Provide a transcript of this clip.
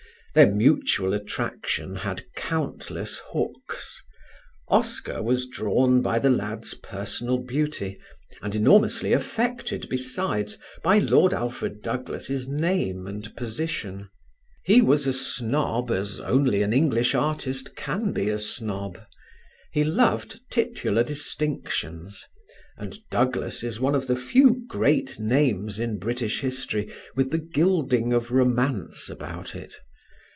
Their mutual attraction had countless hooks. Oscar was drawn by the lad's personal beauty, and enormously affected besides by Lord Alfred Douglas' name and position: he was a snob as only an English artist can be a snob; he loved titular distinctions, and Douglas is one of the few great names in British history with the gilding of romance about it.